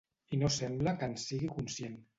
I no sembla que en sigui conscient.